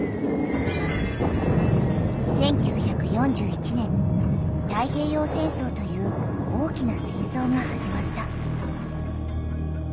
１９４１年太平洋戦争という大きな戦争がはじまった。